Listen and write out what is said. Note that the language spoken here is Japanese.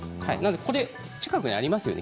近くにありますよね？